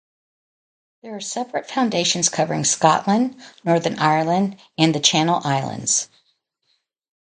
There are separate foundations covering Scotland, Northern Ireland and the Channel Islands.